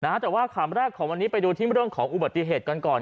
แต่ว่าคำแรกของวันนี้ไปดูที่เรื่องของอุบัติเหตุกันก่อน